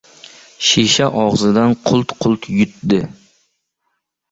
Shisha og‘zidan qult-qult yutdi.